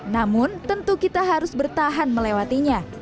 namun tentu kita harus bertahan melewatinya